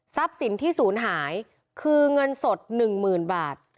ทรัพย์สินที่ศูนย์หายคือเงินสด๑หมื่นบาท